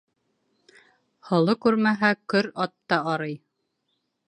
Һоло күрмәһә, көр ат та арый.